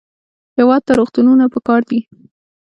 هېواد ته روغتونونه پکار دي